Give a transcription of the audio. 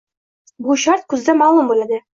Bu shart kuzda ma’lum bo‘ladi